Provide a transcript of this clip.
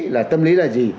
là tâm lý là gì